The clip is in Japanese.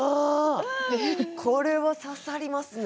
これは刺さりますね。